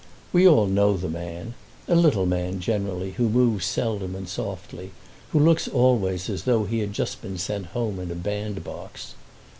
We all know the man, a little man generally who moves seldom and softly, who looks always as though he had just been sent home in a bandbox.